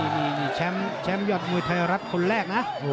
นี่แชมป์ยอดมวยไทยรัฐคนแรกนะ